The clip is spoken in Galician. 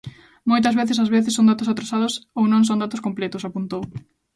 "Moitas veces, ás veces son datos atrasados ou non son datos completos", apuntou.